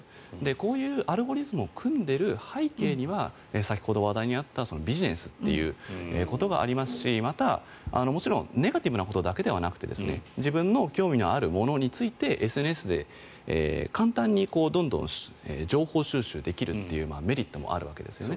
こういうアルゴリズムを組んでいる背景には先ほど話題にあったビジネスということがありますしまた、もちろんネガティブなことだけではなくて自分の興味のあるものについてＳＮＳで簡単にどんどん情報収集できるというメリットもあるわけですね。